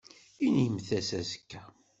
Inimt-as azekka.